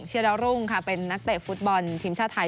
เชียรรุ่งค่ะเป็นนักเตะฟุตบอลทีมชาติไทย